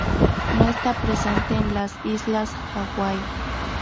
No está presente en las Islas Hawaii.